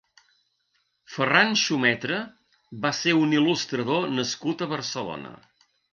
Ferrán Xumetra va ser un il·lustrador nascut a Barcelona.